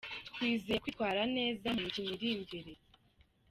Twizeye kwitwara neza mu mikino iri imbere.